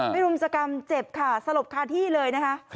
รุมสกรรมเจ็บค่ะสลบคาที่เลยนะคะ